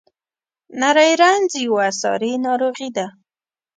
نری رنځ یوه ساري ناروغي ده.